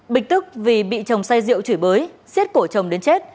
bình tức vì bị chồng say rượu chửi bới xét cổ chồng đến chết